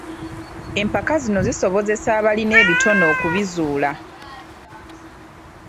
Empaka zino zisobozesa abalina ebitone okubizuula.